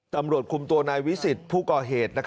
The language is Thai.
ตำรวจคุมตัวนายวิสิทธิ์ผู้ก่อเหตุ